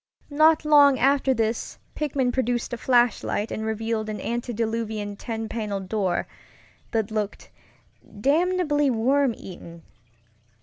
Not long after this Pickman produced a flashlight and revealed an antediluvian ten paneled door that looked damnably worm eaten.